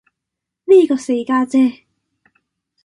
呢個四家姐